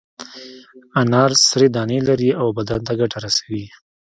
انار سرې دانې لري او بدن ته ګټه رسوي.